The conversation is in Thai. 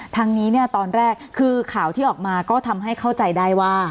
ทางนี้ตอนแรกคือข่าวที่ออกมาก็ทำให้เข้าใจได้ว่า